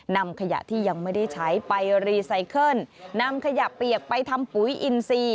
นำขยะที่ยังไม่ได้ใช้ไปรีไซเคิลนำขยะเปียกไปทำปุ๋ยอินซี